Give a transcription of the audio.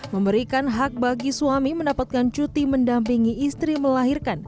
memberikan hak bagi suami mendapatkan cuti mendampingi istri melahirkan